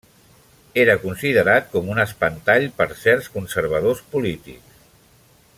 Era considerat com un espantall per certs conservadors polítics.